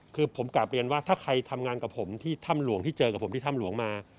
คือผมกลับเรียนว่าถ้าใครทำงานกับผมที่ถ้ำหลวงที่เจอกับผมที่ถ้ำหลวงมา